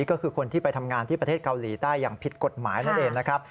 ก็คือคนที่ไปทำงานที่ประเทศเกาหลีใต้อย่างผิดกฎหมายนั่นเองนะครับ